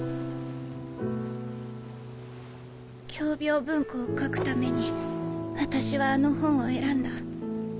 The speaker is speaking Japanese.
共病文庫を書くために私はあの本を選んだ。